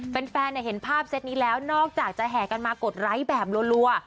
เป็นแฟนนะเห็นภาพเซตนี้แล้วนอกจะแห่กันมากดไลฟ์แบบรว